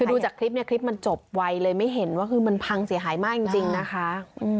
คือดูจากคลิปเนี่ยคลิปมันจบไวเลยไม่เห็นว่าคือมันพังเสียหายมากจริงนะคะ